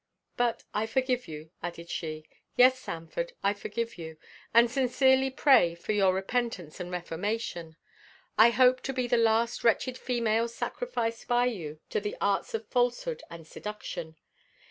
But I forgive you," added she. "Yes, Sanford, I forgive you, and sincerely pray for your repentance and reformation. I hope to be the last wretched female sacrificed by you to the arts of falsehood and seduction.